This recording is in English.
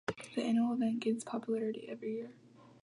This annual event gains popularity every year.